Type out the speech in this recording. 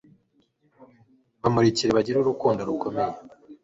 bamurikire bagire urukundo rukomeye